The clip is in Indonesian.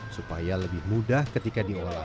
supaya lebih mudah ketika diolah